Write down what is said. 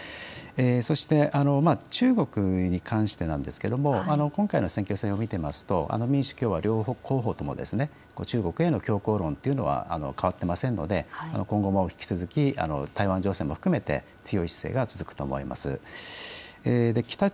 そして中国に関してなんですが、今回の選挙戦を見ていますと民主、共和両候補とも中国への強硬論というのは変わっていませんので今後も引き続き台湾情勢も含めて強い姿勢が続くと思います。